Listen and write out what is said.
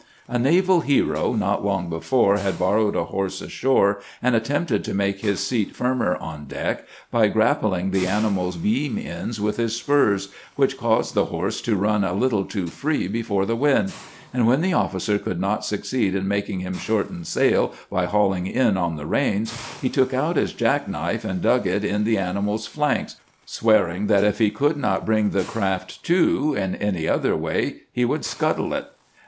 A naval hero not long before had borrowed a horse ashore, and attempted to make his seat flriner on deck by grappling the animal's beam ends with his spurs, which caused the horse to run a little too free before the wind; and when the officer could not succeed in making him shorten sail by haul ing in on the reins, he took out his jack knife and dug it in the animal's flanks, swearing that if he could not bring the craft to in any other way he would scuttle it.